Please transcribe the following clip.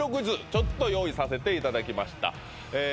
ちょっと用意させていただきましたえー